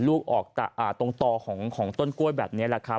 ลูกออกตรงต่อของต้นกล้วยแบบนี้แหละครับ